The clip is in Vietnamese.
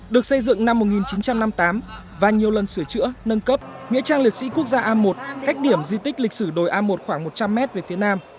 được xây dựng năm một nghìn chín trăm năm mươi tám và nhiều lần sửa chữa nâng cấp nghĩa trang liệt sĩ quốc gia a một cách điểm di tích lịch sử đồi a một khoảng một trăm linh m về phía nam